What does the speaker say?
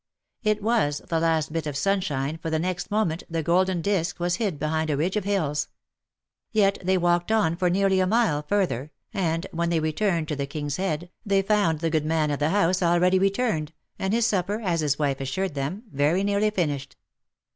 It was the last bit of sunshine, for the next moment the golden disk was hid behind a ridge of hills; yet they walked on for nearly a mile further, and, when they returned to the King's Head, they found the good man of the house already returned, and his supper, as his wife assured them, very nearly finished.